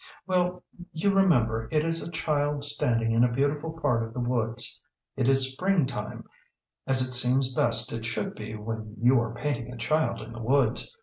"Well, you remember it is a child standing in a beautiful part of the woods. It is spring time, as it seems best it should be when you are painting a child in the woods.